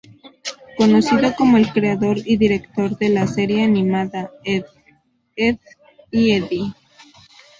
Conocido como el creador y director de la serie animada "Ed, Edd y Eddy".